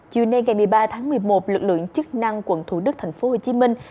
chiều nay ngày một mươi ba tháng một mươi một lực lượng chức năng quận thủ đức thành phố hồ chí minh